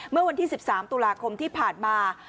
เมื่อวันที่๑๓ตุลาคมที่ผ่านมา